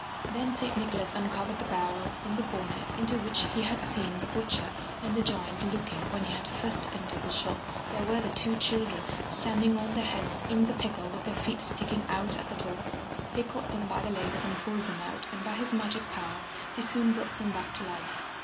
Then Saint Nicholas uncovered the barrel in the corner into which he had seen the butcher and the giant looking when he had first entered the shop. There were the two children standing on their heads in the pickle with their feet sticking out at the top. He caught them by the legs and pulled them out and by his magic power he soon brought them back to life.